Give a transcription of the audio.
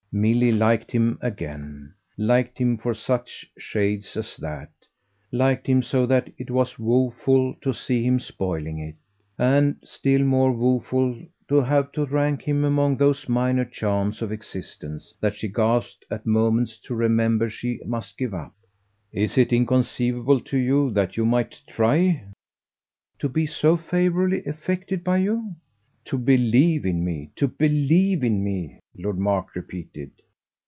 Milly liked him again, liked him for such shades as that, liked him so that it was woeful to see him spoiling it, and still more woeful to have to rank him among those minor charms of existence that she gasped at moments to remember she must give up. "Is it inconceivable to you that you might try?" "To be so favourably affected by you ?" "To believe in me. To believe in me," Lord Mark repeated.